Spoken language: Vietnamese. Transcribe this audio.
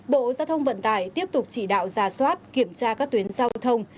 bộ giao thông vận tải tiếp tục chỉ đạo giả soát kiểm tra các tuyến giao thông